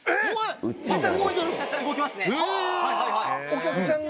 お客さん